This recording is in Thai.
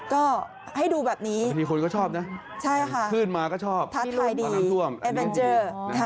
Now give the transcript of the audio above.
ก็ให้ดูแบบนี้ใช่ค่ะถ้าถ่ายดีแอฟเวนเจอร์